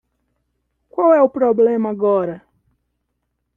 Qual é o problema agora?